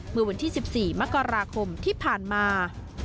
เมื่อวันที่๑๔มกราคมที่ผ่านมา